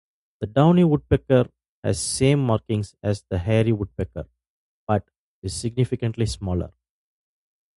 The downy woodpecker has same markings as the hairy woodpecker but is significantly smaller.